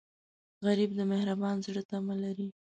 غریب د مهربان زړه تمه لري